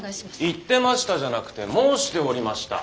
言ってましたじゃなくて「申しておりました」。